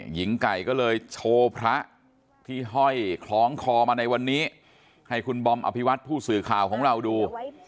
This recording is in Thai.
หญิงไก่ก็เลยโชว์พระที่ห้อยคล้องคอมาในวันนี้ให้คุณบอมอภิวัตผู้สื่อข่าวของเราดู